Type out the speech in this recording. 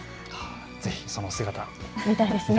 ぜひその姿、見たいですね。